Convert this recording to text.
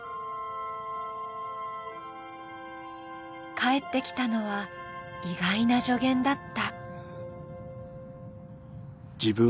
返ってきたのは意外な助言だった。